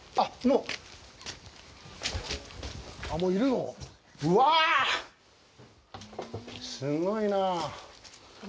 うわ、すごい。